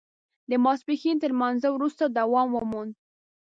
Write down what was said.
د ماسپښین تر لمانځه وروسته دوام وموند.